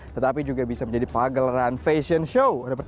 tetapi juga bisa menjadi pagelaran fashion show